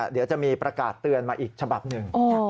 เดี๋ยวจะมีประกาศเตือนมาอีกฉบับหนึ่ง